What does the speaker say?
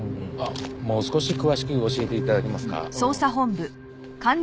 もう少し詳しく教えて頂けますか？